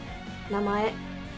名前。